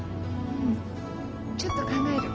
うんちょっと考える。